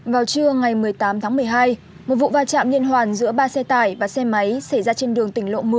vào trưa ngày một mươi tám tháng một mươi hai một vụ va chạm liên hoàn giữa ba xe tải và xe máy xảy ra trên đường tỉnh lộ một mươi